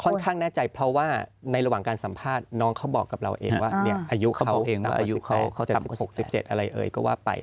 ข้างแน่ใจเพราะว่าในระหว่างการสัมภาษณ์น้องเขาบอกกับเราเองว่าอายุเขาเองอายุเขาจะ๑๖๑๗อะไรเอ่ยก็ว่าไป